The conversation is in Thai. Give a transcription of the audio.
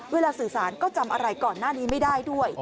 สื่อสารก็จำอะไรก่อนหน้านี้ไม่ได้ด้วย